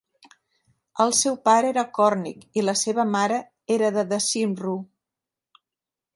El seu pare era còrnic i la seva mare era de De Cymru.